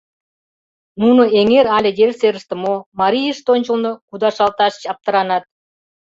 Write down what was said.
Нуно эҥер але ер серыште мо, марийышт ончылно кудашалташ аптыранат.